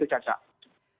terima kasih anca